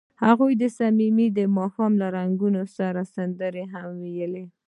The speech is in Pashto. هغوی د صمیمي ماښام له رنګونو سره سندرې هم ویلې.